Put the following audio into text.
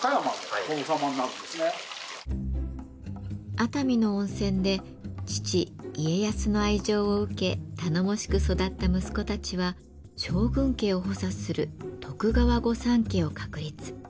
熱海の温泉で父家康の愛情を受け頼もしく育った息子たちは将軍家を補佐する徳川御三家を確立。